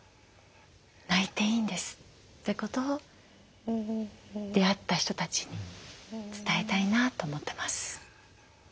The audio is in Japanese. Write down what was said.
泣いていいんですってことを出会った人たちに伝えたいなと思ってます。